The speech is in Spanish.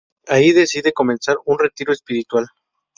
Ahí decide comenzar un retiro espiritual.